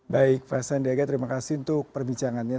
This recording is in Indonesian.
baik faisal ndiaga terima kasih untuk perbincangannya